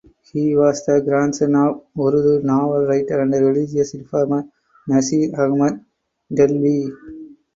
He was the grandson of Urdu novel writer and religious reformer Nazir Ahmad Dehlvi.